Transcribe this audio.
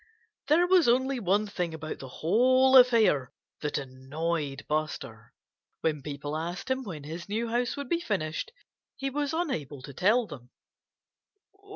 There was only one thing about the whole affair that annoyed Buster: when people asked him when his new house would be finished he was unable to tell them.